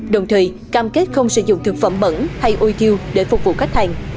đồng thời cam kết không sử dụng thực phẩm bẩn hay ôi thiêu để phục vụ khách hàng